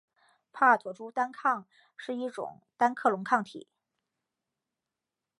帕妥珠单抗是一种单克隆抗体。